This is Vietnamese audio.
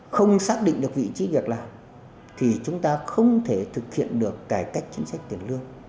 không xác định được vị trí việc làm thì chúng ta không thể thực hiện được cải cách chính sách tiền lương